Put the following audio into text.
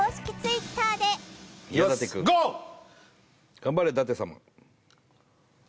頑張れ舘様